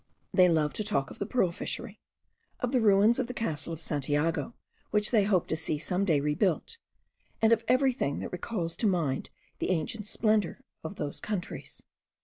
They love to talk of the pearl fishery; of the ruins of the castle of Santiago, which they hope to see some day rebuilt; and of everything that recalls to mind the ancient splendour of those countries.